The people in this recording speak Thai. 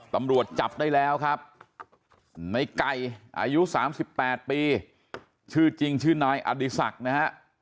ตำรวจจับได้แล้วครับในไก่อายุ๓๘ปีชื่อจริงชื่อนายอดีศักดิ์นะฮะ